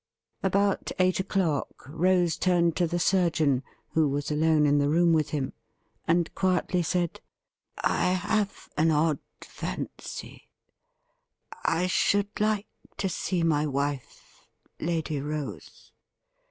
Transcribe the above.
About eight o'clock Rose turned to the surgeon, who was alone in the room with him, and quietly said :' I have an odd fancy — ^I should like to see my wife, Lady Rose.